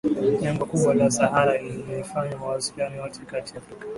Jangwa kubwa la Sahara lilifanya mawasiliano yote kati ya Afrika